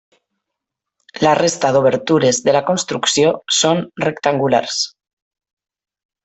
La resta d'obertures de la construcció són rectangulars.